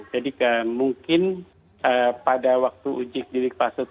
jadi mungkin pada waktu uji jelik fase tiga